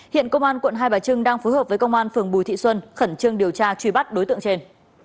hiện công an quận hai bà trưng đang phối hợp với công an phường bùi thị xuân khẩn trương điều tra truy bắt đối tượng trên